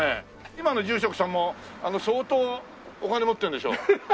今の住職さんも相当お金持ってるんでしょ？